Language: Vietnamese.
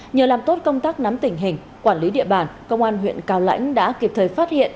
nhờ làm tốt công tác nắm tình hình quản lý địa bàn công an huyện cao lãnh đã kịp thời phát hiện